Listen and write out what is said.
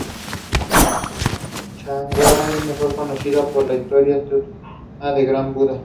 Changhua es mejor conocido por su histórica estatua del Gran Buda.